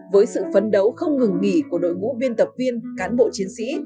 với sự phấn đấu không ngừng nghỉ của đội ngũ biên tập viên cán bộ chiến sĩ